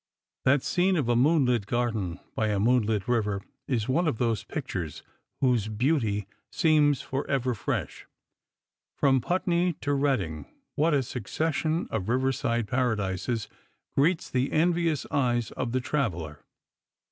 That scene of a moonlit gai'den by a moonlit river ia one of those pictures whose beauty seems for ever fresh ; from Putney to Reading, what a succession of riverside paradises greets the envious eyes of the traveller